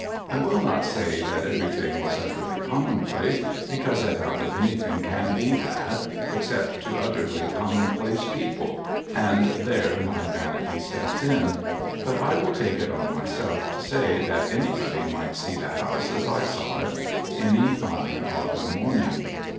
I will not say that everything was utterly commonplace, because I doubt if anything can be that, except to utterly commonplace people ■— and there my vanity steps in ; but, I will take it on myself to say that anybody might see the house as I saw it, any fine autumn morning.